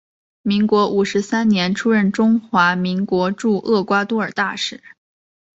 民国五十三年出任中华民国驻厄瓜多尔大使。